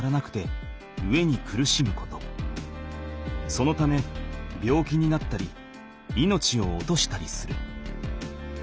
そのため病気になったり命を落としたりする。